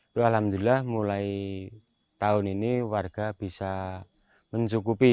itu alhamdulillah mulai tahun ini warga bisa mencukupi